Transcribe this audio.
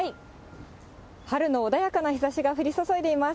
春の穏やかな日ざしが降り注いでいます。